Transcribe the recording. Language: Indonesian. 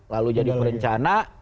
lalu jadi perencana